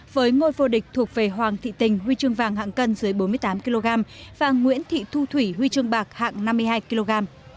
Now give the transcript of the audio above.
với ngôi vô địch thuộc về hoàng thị tình huy chương vàng hạng cân dưới bốn mươi tám kg và nguyễn thị thu thủy huy chương bạc hạng năm mươi hai kg